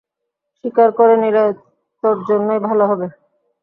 স্বীকার করে নিলে তোর জন্যেই ভালো হবে।